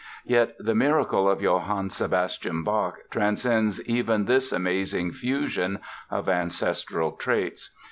Yet the miracle of Johann Sebastian Bach transcends even this amazing fusion of ancestral traits.